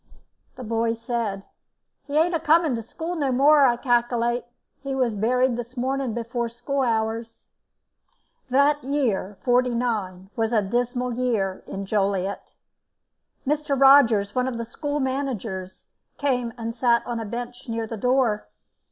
The boy said: "He ain't a coming to school no more, I calkilate. He was buried this morning before school hours." That year, '49 was a dismal year in Joliet. Mr. Rogers, one of the school managers, came and sat on a bench near the door.